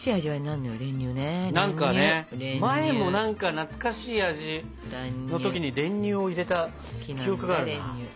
前も何か懐かしい味の時に練乳を入れた記憶があるな。